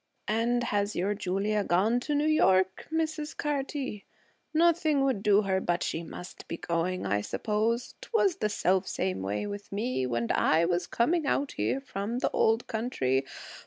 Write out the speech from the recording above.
'And has your Julia gone to New York, Mrs. Carty? Nothing would do her but she must be going, I suppose. 'Twas the selfsame way with me, when I was coming out here from the old country.